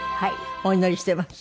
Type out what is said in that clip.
お祈りしています。